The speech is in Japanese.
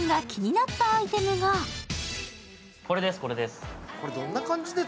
これです、これです。